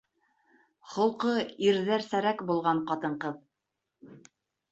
Холҡо ирҙәрсәрәк булған ҡатын-ҡыҙ.